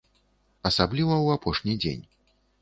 Асабліва ў апошні дзень.